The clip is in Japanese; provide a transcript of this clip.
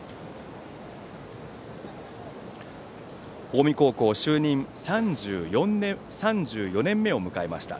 近江高校就任３４年目を迎えました